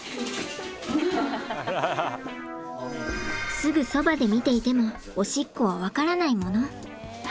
すぐそばで見ていてもおしっこは分からないもの。